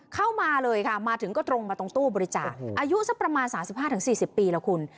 เข้ามาเลยค่ะมาถึงก็ตรงมาตรงตู้บริจาคอายุสักประมาณ๓๕๔๐ปีแล้วคุณ